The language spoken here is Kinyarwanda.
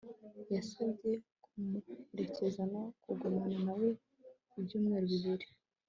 yasabwe kumuherekeza no kugumana na we ibyumweru bibiri